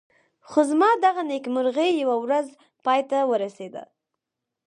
خو زما دغه نېکمرغي یوه ورځ پای ته ورسېده.